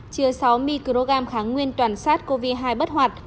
chứa sáu microgram kháng nguyên toàn sát covid hai bất hoạt